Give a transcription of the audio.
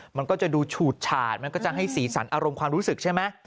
มันก็จะดูฉูดฉาดมันก็จะให้สีสันอารมณ์ความรู้สึกใช่ไหม